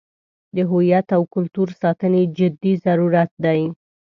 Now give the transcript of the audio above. د هویت او کلتور ساتنې جدي ضرورت دی.